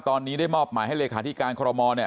ตอนนี้ได้มอบหมายให้เลขาธิการคอรมอลเนี่ย